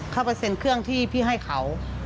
เปอร์เซ็นต์เครื่องที่พี่ให้เขา